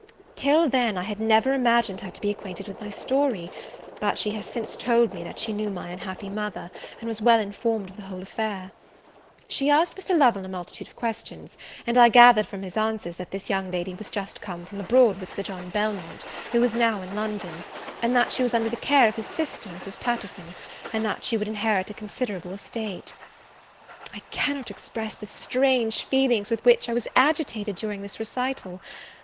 Till then I had never imagined her to be acquainted with my story; but she has since told me, that she knew my unhappy mother, and was well informed of the whole affair. She asked Mr. Lovel a multitude of questions; and I gathered from his answers, that this young lady was just come from abroad with Sir John Belmont, who was now in London; that she was under the care of his sister, Mrs. Paterson; and that she would inherit a considerable estate. I cannot express the strange feelings with which I was agitated during this recital.